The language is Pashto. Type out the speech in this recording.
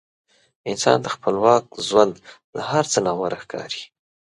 انسان ته خپلواک ژوند له هر څه نه غوره ښکاري.